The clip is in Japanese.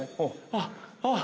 あっあっ。